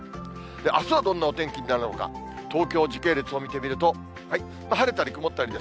あすはどんなお天気になるのか、東京、時系列を見てみると、晴れたり曇ったりです。